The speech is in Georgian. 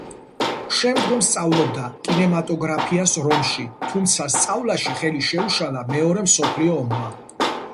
შემდგომ სწავლობდა კინემატოგრაფიას რომში, თუმცა სწავლაში ხელი შეუშალა მეორე მსოფლიო ომმა.